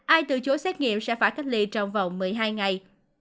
ai từ chối xét nghiệm sẽ phải cách ly trong vòng một mươi hai ngày